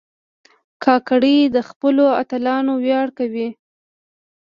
کاکړي د خپلو اتلانو ویاړ کوي.